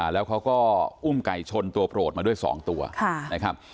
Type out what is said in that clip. แล้วเขาก็อุ้มไก่ชนตัวโปรดมาด้วย๒ตัวนะครับ